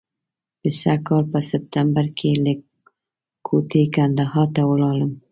د سږ کال په سپټمبر کې له کوټې کندهار ته ولاړم.